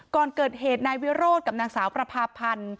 ก่อนเกิดเหตุนายวิโรธกับนางสาวประพาพันธ์